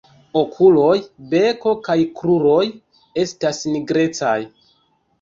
Okuloj, beko kaj kruroj estas nigrecaj.